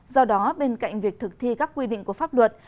do đó bên cạnh việc thực thi các quy định của pháp luật